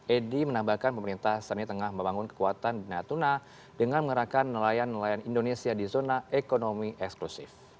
edi menambahkan pemerintah saat ini tengah membangun kekuatan di natuna dengan mengerahkan nelayan nelayan indonesia di zona ekonomi eksklusif